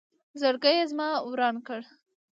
زړګې یې زما وران کړ